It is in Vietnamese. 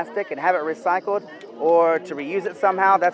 để khuyển rác cool